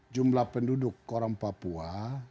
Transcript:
jumlah penduduk orang papua